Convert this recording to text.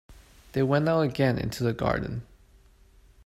They went out again into the garden.